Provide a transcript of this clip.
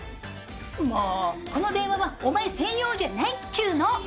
もうこの電話はお前専用じゃないっちゅの。